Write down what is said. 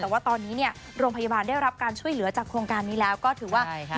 แต่ว่าตอนนี้เนี่ยโรงพยาบาลได้รับการช่วยเหลือจากโครงการนี้แล้วก็ถือว่า